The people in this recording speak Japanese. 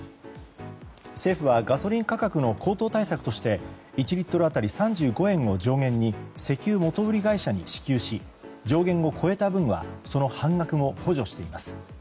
政府はガソリン価格の高騰対策として１リットル当たり３５円を上限に石油元売り会社に支給し上限を超えた分はその半額も補助しています。